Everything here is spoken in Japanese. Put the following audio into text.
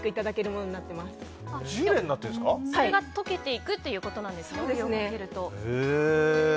そのジュレが溶けていくということなんですね。